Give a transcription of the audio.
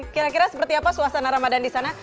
kira kira seperti apa suasana ramadan di sana